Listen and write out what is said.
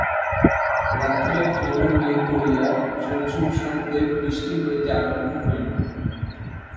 রাত্রে ঘন মেঘ করিয়া ঝুপ ঝুপ শব্দে বৃষ্টি হইতে আরম্ভ হইল।